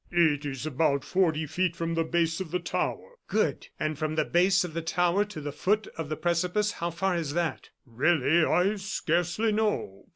"It is about forty feet from the base of the tower." "Good! And from the base of the tower to the foot of the precipice how far is that?" "Really, I scarcely know.